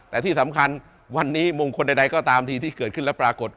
แต่ที่สำคัญวันนี้มงคลใดก็ตามทีที่เกิดขึ้นแล้วปรากฏ